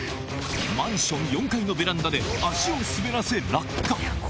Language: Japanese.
マンション４階のベランダで足を滑らせ落下。